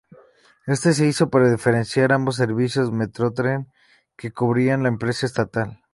Esto se hizo para diferenciar ambos servicios Metrotren que construía la empresa estatal.